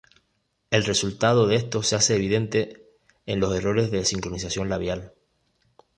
El resultado de esto se hace evidente en los errores de sincronización labial.